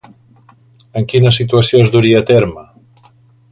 En quina situació es duria a terme?